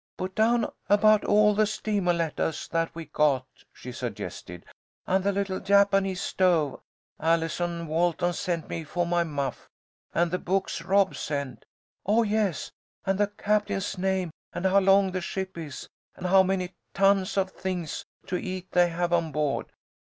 "Put down about all the steamah lettahs that we got," she suggested, "and the little Japanese stove Allison Walton sent me for my muff, and the books Rob sent. Oh, yes! And the captain's name and how long the ship is, and how many tons of things to eat they have on board.